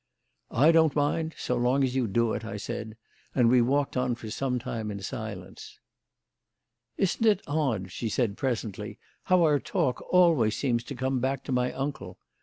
"I don't mind, so long as you do it," I said, and we walked on for some time in silence. "Isn't it odd," she said presently, "how our talk always seems to come back to my uncle?